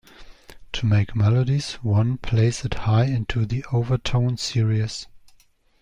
To make melodies, one plays it high into the overtone series.